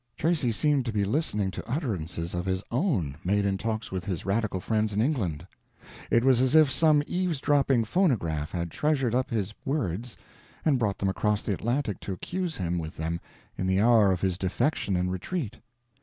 Tracy seemed to be listening to utterances of his own made in talks with his radical friends in England. It was as if some eavesdropping phonograph had treasured up his words and brought them across the Atlantic to accuse him with them in the hour of his defection and retreat.